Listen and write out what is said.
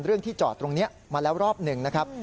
ที่จอดตรงนี้มาแล้วรอบหนึ่งนะครับ